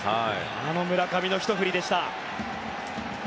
あの村上のひと振りでした。